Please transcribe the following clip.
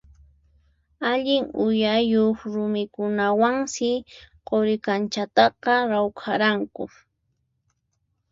Allin uyayuq rumikunawansi Quri kanchataqa rawkharqanku.